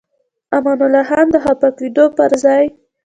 امان الله خان د خفه کېدو پر ځای.